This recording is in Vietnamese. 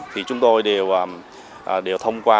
thì chúng tôi đều thông qua